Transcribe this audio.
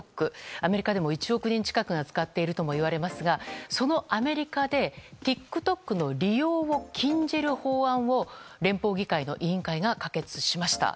アメリカでも１億人近くが使っているともいわれますがそのアメリカでＴｉｋＴｏｋの利用を禁じる法案を連邦議会の委員会が可決しました。